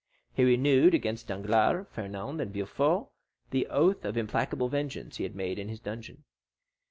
He renewed against Danglars, Fernand, and Villefort the oath of implacable vengeance he had made in his dungeon.